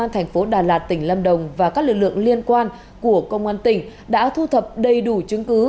thành phố đà lạt tỉnh lâm đồng và các lực lượng liên quan của công an tỉnh đã thu thập đầy đủ chứng cứ